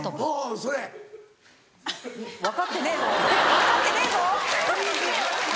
分かってねえぞ！